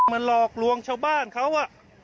มันหลอกลวงชาวบ้านเขาอ่ะ